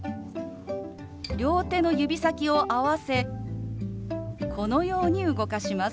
両手の指先を合わせこのように動かします。